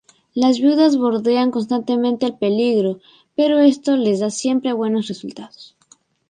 Las Viudas bordean constantemente el peligro, pero esto les da siempre buenos resultados.